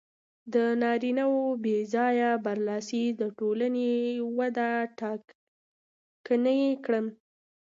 د نارینهوو بې ځایه برلاسي د ټولنې وده ټکنۍ کړې.